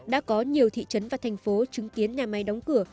đã có nhiều thị trấn và thành phố chứng kiến nhà máy đóng cửa